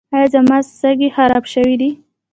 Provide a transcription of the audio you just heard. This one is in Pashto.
ایا زما سږي خراب شوي دي؟